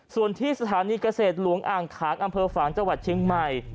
ส่วนที่สถานีเกษตรหลวงอ่างขางอำเภอฝางจังหวัดเชียงใหม่